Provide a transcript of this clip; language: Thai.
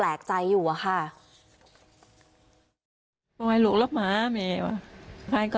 เบอร์ลูอยู่แบบนี้มั้งเยอะมาก